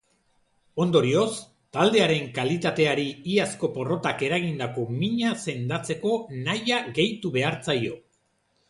Ondorioz, taldearen kalitateari iazko porrotak eragindako mina sendatzeko nahia gehitu behar zaio.